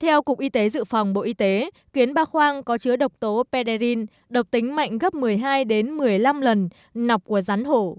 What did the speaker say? theo cục y tế dự phòng bộ y tế kiến ba khoang có chứa độc tố pederine độc tính mạnh gấp một mươi hai một mươi năm lần nọc của rắn hổ